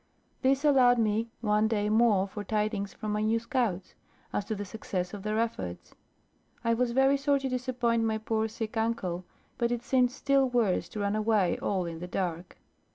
This allowed me one day more for tidings from my new scouts, as to the success of their efforts. I was very sorry to disappoint my poor sick uncle, but it seemed still worse to run away all in the dark.